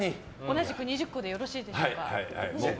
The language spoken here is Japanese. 同じく２０個でよろしいですか？